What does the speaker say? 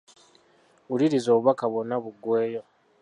Wuliriza obubaka bwonna buggweeyo.